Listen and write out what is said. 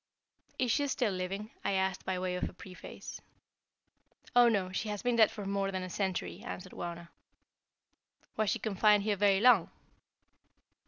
"Is she still living?" I asked by way of a preface. "Oh, no, she has been dead for more than a century," answered Wauna. "Was she confined here very long?"